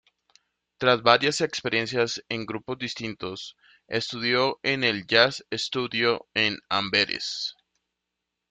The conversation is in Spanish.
Tras varias experiencias en grupos distintos, estudió en el Jazz Studio en Amberes.